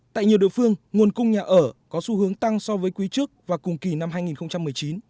tại nhiều địa phương nguồn cung nhà ở có xu hướng tăng so với quý trước và cùng kỳ năm hai nghìn một mươi chín